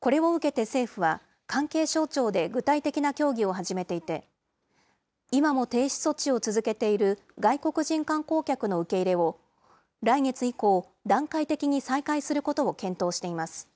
これを受けて政府は、関係省庁で具体的な協議を始めていて、今も停止措置を続けている外国人観光客の受け入れを来月以降、段階的に再開することを検討しています。